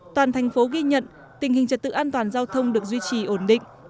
toàn thành phố ghi nhận tình hình trật tự an toàn giao thông được duy trì ổn định